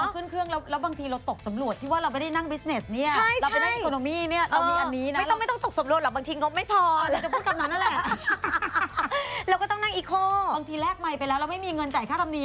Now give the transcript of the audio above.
คือจะหงายเงิบก็ได้ความหน้าไปเลยก็ได้